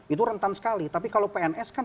itu rentan sekali tapi kalau pns kan